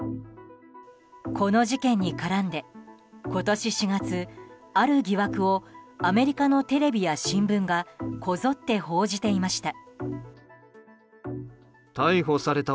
この事件に絡んで今年４月、ある疑惑をアメリカのテレビや新聞がこぞって報じていました。